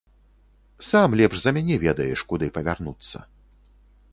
Сам лепш за мяне ведаеш, куды павярнуцца.